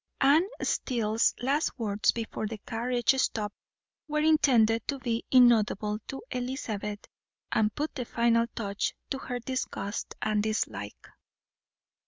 Anne Steele's last words before the carriage stopped were intended to be inaudible to Elizabeth, and put the final touch to her disgust and dislike.